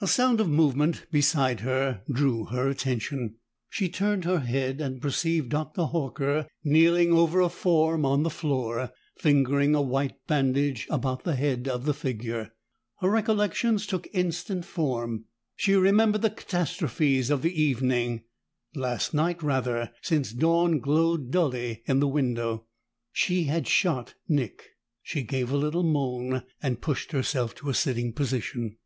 A sound of movement beside her drew her attention. She turned her head and perceived Dr. Horker kneeling over a form on the floor, fingering a white bandage about the head of the figure. Her recollections took instant form; she remembered the catastrophes of the evening last night, rather, since dawn glowed dully in the window. She had shot Nick! She gave a little moan and pushed herself to a sitting position.